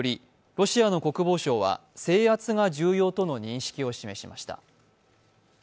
ロシアの国防相は制圧が重要との認識を示しました。